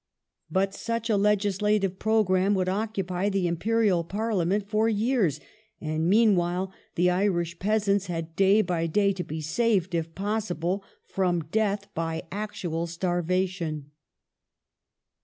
But such a legislative programme would occupy the] Imperial Parliament for years, and meanwhile the Irish peasants had, day by day, to be saved, if possible, from death by actual , starvation.